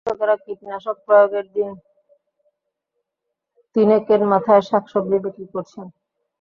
কিন্তু অনেক সময় কৃষকেরা কীটনাশক প্রয়োগের দিন তিনেকের মাথায় শাকসবজি বিক্রি করছেন।